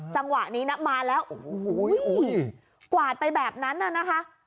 จังหวะนี้นะมาแล้วโอ้โหกวาดไปแบบนั้นน่ะนะคะ